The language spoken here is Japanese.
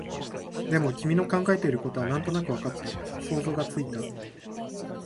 でも、君の考えていることはなんとなくわかった、想像がついた